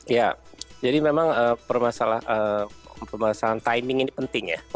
ya jadi memang permasalahan timing ini penting ya